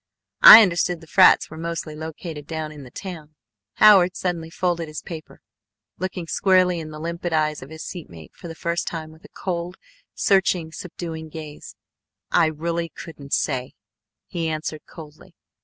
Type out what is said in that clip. I understood the frats were mostly located down in the town." Howard suddenly folded his paper, looking squarely in the limpid eyes of his seatmate for the first time, with a cold, searching, subduing gaze. "I really couldn't say," he answered coldly.